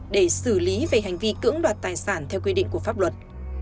để xử lý về hành vi cưỡng đoạt tài sản theo quy định của pháp luật